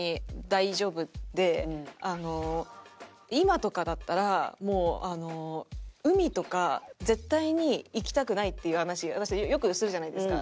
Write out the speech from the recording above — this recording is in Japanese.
今とかだったらもうあの海とか絶対に行きたくないっていう話私よくするじゃないですか。